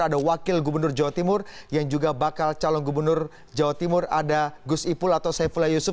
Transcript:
ada wakil gubernur jawa timur yang juga bakal calon gubernur jawa timur ada gus ipul atau saifullah yusuf